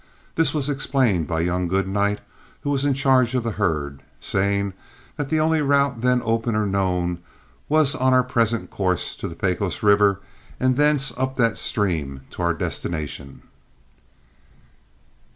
This was explained by young Goodnight, who was in charge of the herd, saying that the only route then open or known was on our present course to the Pecos River, and thence up that stream to our destination.